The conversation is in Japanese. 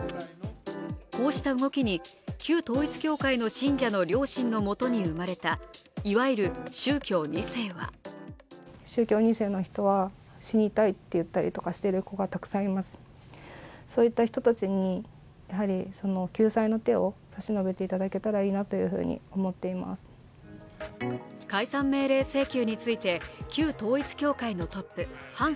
こうした動きに旧統一教会の信者の両親のもとに生まれたいわゆる宗教２世は解散命令請求について旧統一教会のトップハン